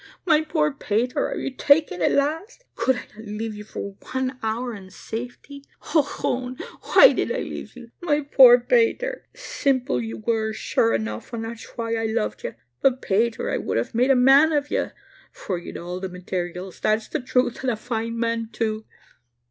my poor Pater! are you taken at last? Could I not leave you for one hour in safety? Ochone! why did I leave you? My poor, poor Pater! simple you were, sure enough, and that's why I loved you; but, Pater, I would have made a man of you, for you'd all the materials, that's the truth and a fine man too.